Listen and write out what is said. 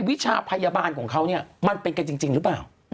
วิชาพยาบาลของเขาเนี่ยมันเป็นกันจริงหรือเปล่า